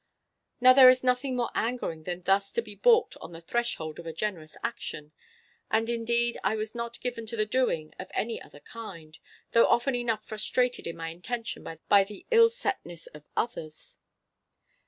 Now, there is nothing more angering than thus to be baulked on the threshold of a generous action; and, indeed, I was not given to the doing of any other kind—though often enough frustrated of my intention by the illsetness of others.